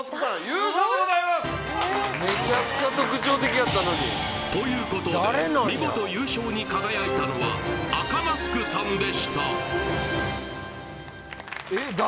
ああっということで見事優勝に輝いたのは赤マスクさんでしたえっ誰？